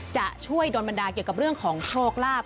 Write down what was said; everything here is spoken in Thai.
จะช่วยโดนบรรดาเกี่ยวกับเรื่องของโชคลาภ